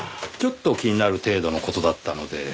ちょっと気になる程度の事だったので。